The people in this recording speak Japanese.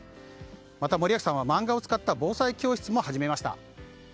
また、森脇さんは漫画を使った防災教室も始めました。